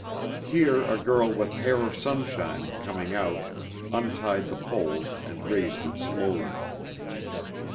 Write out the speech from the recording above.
Here a girl with hair of sunshine, coming out, untied the pole and raised it slowly.